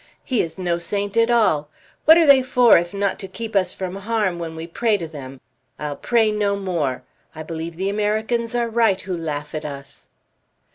He is no saint at all! What are they for, if not to keep us from harm when we pray to them? I'll pray no more. I believe the Americans are right, who laugh at us."